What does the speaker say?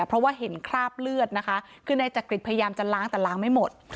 เพราะว่าเห็นคราบเลือดนะคะคือนายจักริตพยายามจะล้างแต่ล้างไม่หมด